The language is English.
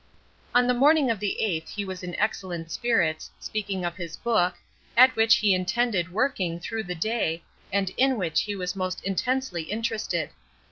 On the morning of the eighth he was in excellent spirits, speaking of his book, at which he intended working through the day and in which he was most intensely interested.